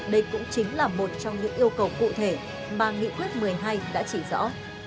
đây cũng chính là một trong những yêu cầu cụ thể mà nghị quyết một mươi hai đã chỉ rõ